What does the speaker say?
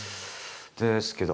ですけど